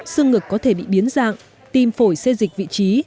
xương ngực có thể bị biến dạng tim phổi xê dịch vị trí